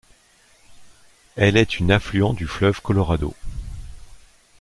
Elle est une affluent du fleuve Colorado.